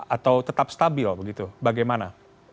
atau tetap stabil begitu bagaimana